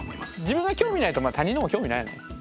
自分が興味ないと他人のも興味ないよね。